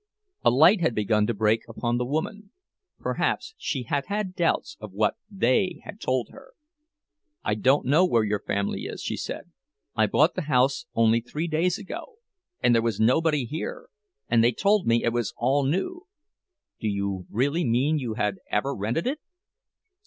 A light had begun to break upon the woman; perhaps she had had doubts of what "they" had told her. "I don't know where your family is," she said. "I bought the house only three days ago, and there was nobody here, and they told me it was all new. Do you really mean you had ever rented it?"